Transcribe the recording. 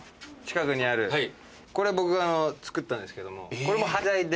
これ僕が作ったんですけどもこれも端材で。